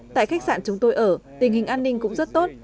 tại khách sạn chúng tôi ở tình hình an ninh cũng rất tốt